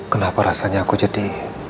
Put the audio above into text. kenapa rasanya aku jadi